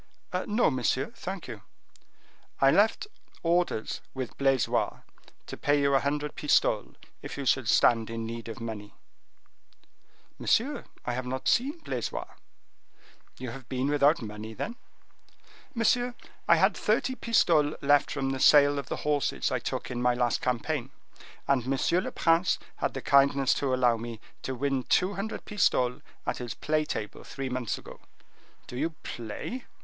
"No, monsieur, thank you." "I left orders with Blaisois to pay you a hundred pistoles, if you should stand in need of money." "Monsieur, I have not seen Blaisois." "You have been without money, then?" "Monsieur, I had thirty pistoles left from the sale of the horses I took in my last campaign, and M. le Prince had the kindness to allow me to win two hundred pistoles at his play table three months ago." "Do you play?